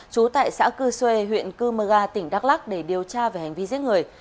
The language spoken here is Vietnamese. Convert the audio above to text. trú tại xã cư xuê huyện cư mơ ga tỉnh đắk lắc để điều tra về hành vi giết người